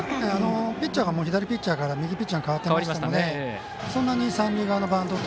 ピッチャーも左ピッチャーから右ピッチャーに代わっていましたので。